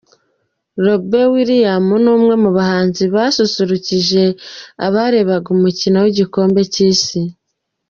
Robbie Williams ni umwe mu bahanzi basusurukije abarebaga umukino w'igikombe cy'isi.